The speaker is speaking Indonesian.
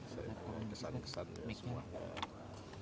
jadi saya kesan kesan semuanya